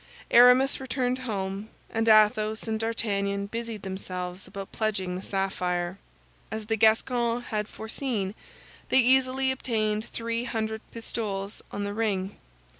Aramis returned home, and Athos and D'Artagnan busied themselves about pledging the sapphire. As the Gascon had foreseen, they easily obtained three hundred pistoles on the ring.